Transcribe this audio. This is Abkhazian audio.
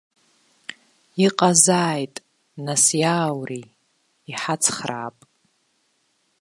Иҟазааит, нас, иааури, иҳацхраап.